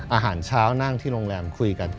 อาหารเช้านั่งที่โรงแรมคุยกัน